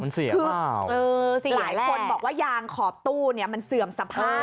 คือหลายคนบอกว่ายางขอบตู้เนี่ยมันเสื่อมสภาพ